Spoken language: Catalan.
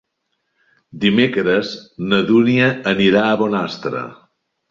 Dimecres na Dúnia anirà a Bonastre.